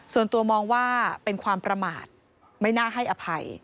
ส่วนตัวมองว่าเป็นความประมาทไม่น่าให้อภัย